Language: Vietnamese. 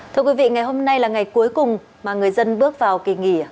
thưa quý vị ngày hôm nay là ngày cuối cùng mà người dân bước vào kỳ nghỉ